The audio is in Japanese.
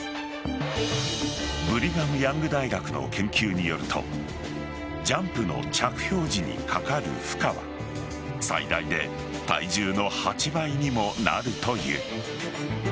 ブリガムヤング大学の研究によるとジャンプの着氷時にかかる負荷は最大で体重の８倍にもなるという。